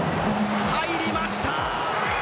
入りました。